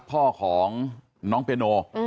พ่อของน้องเปียโน